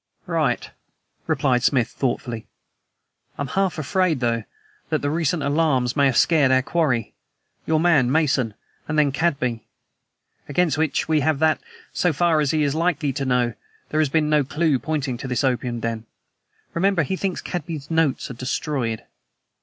"Right," replied Smith thoughtfully. "I am half afraid, though, that the recent alarms may have scared our quarry your man, Mason, and then Cadby. Against which we have that, so far as he is likely to know, there has been no clew pointing to this opium den. Remember, he thinks Cadby's notes are destroyed."